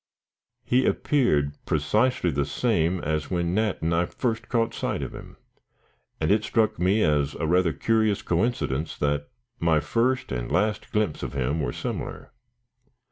He appeared precisely the same as when Nat and I first caught sight of him; and it struck me as a rather curious coincidence that my first and last glimpse of him were similar.